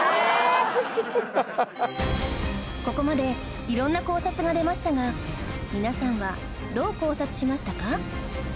ここまでいろんな考察が出ましたが皆さんはどう考察しましたか？